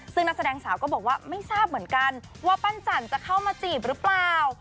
ซึ่งนักแสดงสาวก็บอกว่าไม่ทราบเหมือนกันว่าปั้นจันจะเข้ามาจีบหรือเปล่า